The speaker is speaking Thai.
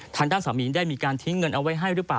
ทางด้านสามีได้มีการทิ้งเงินเอาเว้ยให้รึเปล่า